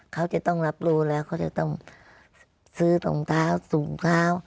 เขาจะต้องซื้อตรงเท้าสูงเท้า